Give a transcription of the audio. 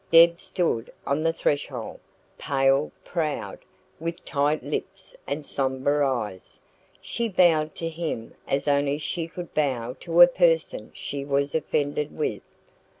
Deb stood on the threshold, pale, proud, with tight lips and sombre eyes. She bowed to him as only she could bow to a person she was offended with.